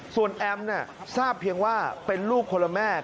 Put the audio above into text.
ส่วนแอมทราบเพียงว่าเป็นลูกคนละแม่